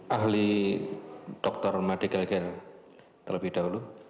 ahli dr madi gelgel terlebih dahulu